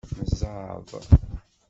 Nezɛeḍ.